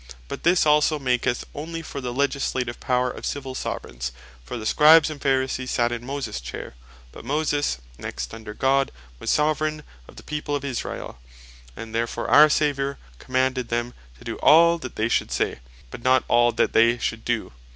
But this also maketh onely for the Legislative power of Civill Soveraigns: For the Scribes, and Pharisees sat in Moses Chaire, but Moses next under God was Soveraign of the People of Israel: and therefore our Saviour commanded them to doe all that they should say, but not all that they should do.